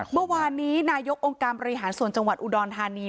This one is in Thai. เมื่อวานนี้นายกองค์การบริหารส่วนจังหวัดอุดรธานี